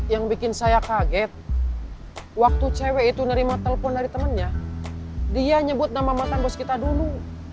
yang bikin saya kaget waktu cewek itu nerima telepon dari temennya dia nyebut nama mantan bos kita dulu